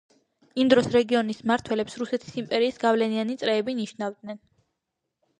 იმ დროს რეგიონის მმართველებს რუსეთის იმპერიის გავლენიანი წრეები ნიშნავდნენ.